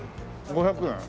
５００円。